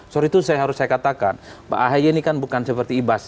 sore itu saya harus saya katakan mbak ahy ini kan bukan seperti ibas